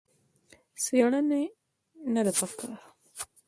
څېړنه نه ده په کار.